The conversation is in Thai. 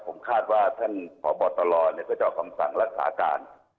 ผมคาดว่าท่านอบบลตลอดก็จะได้มีคำสั่งรักษาการ